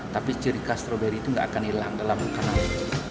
tapi cirika stroberi itu gak akan hilang dalam makanan